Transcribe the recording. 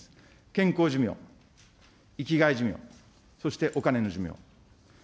健康寿命、生きがい寿命、そしてお金の寿命。